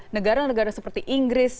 negara negara seperti inggris